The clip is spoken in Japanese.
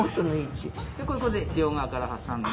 でここで両側から挟んで。